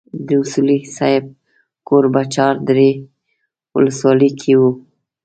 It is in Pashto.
د اصولي صیب کور په چار درې ولسوالۍ کې وو.